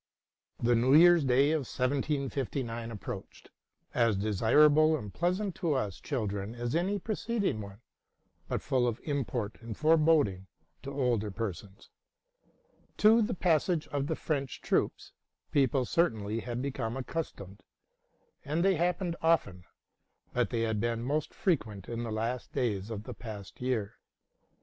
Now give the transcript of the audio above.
The New Year's Day of 1759 approached, as desirable and pleasant to us children as any preceding one, but full of import and foreboding to older persons. 'To the passage of the French troops people certainly had become accus tomed; and they happened often, but they had been most frequent in the last days of the past year.